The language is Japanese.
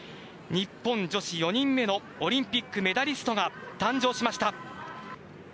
日本女子４人目のオリンピックメダリストが誕生しました。